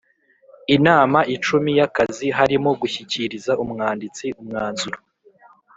inama icumi y akazi harimo gushyikiriza Umwanditsi umwanzuro